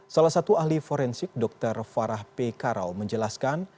salah satu ahli forensik dr farah p karao menjelaskan